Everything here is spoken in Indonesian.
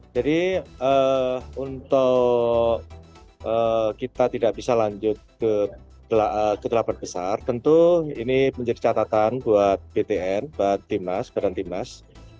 jadi untuk kita tidak bisa lanjut ke telapan besar tentu ini menjadi catatan buat btn buat tim nas badan tim nas